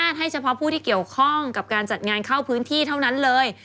ให้เฉพาะผู้ที่เกี่ยวข้องกับการจัดงานเข้าพื้นที่เท่านั้นเลย